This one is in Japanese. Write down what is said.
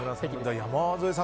山添さん